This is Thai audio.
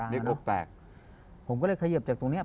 อ่าเรียกอกแตกผมก็เลยขยิบจากตรงนี้